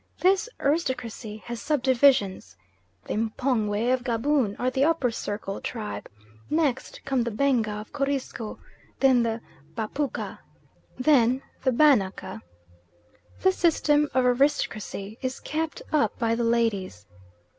This aristocracy has sub divisions, the M'pongwe of Gaboon are the upper circle tribe; next come the Benga of Corisco; then the Bapuka; then the Banaka. This system of aristocracy is kept up by the ladies.